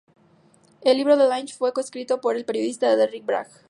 El libro de Lynch fue co-escrito por el periodista Rick Bragg.